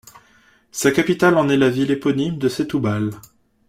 Sa capitale en est la ville éponyme de Setúbal.